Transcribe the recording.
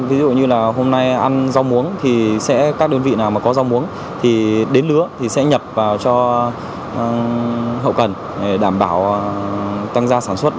ví dụ như là hôm nay ăn rau muống thì sẽ các đơn vị nào mà có rau muống thì đến lứa thì sẽ nhập vào cho hậu cần để đảm bảo tăng gia sản xuất